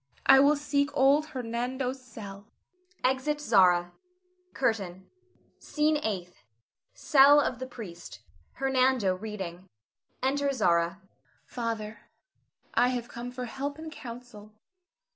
I will seek old Hernando's cell. [Exit Zara. CURTAIN. SCENE EIGHTH. [Cell of the priest. Hernando reading. Enter Zara.] Zara. Father, I have come for help and counsel.